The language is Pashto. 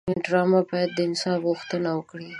ډرامه باید د انصاف غوښتنه وکړي